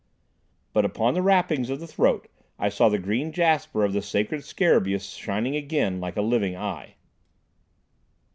But upon the wrappings of the throat I saw the green jasper of the sacred scarabaeus shining again like a living eye.